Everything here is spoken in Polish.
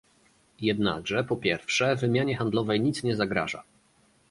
Jednakże, po pierwsze, wymianie handlowej nic nie zagraża